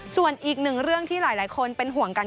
ส่วนอีกหนึ่งเรื่องที่หลายคนเป็นห่วงกัน